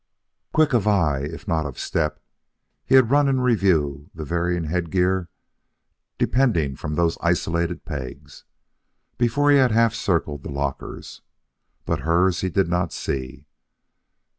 Quick of eye, if not of step, he had run in review the varying headgear depending from those isolated pegs, before he had half circled the lockers. But hers he did not see.